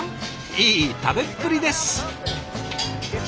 いい食べっぷりです！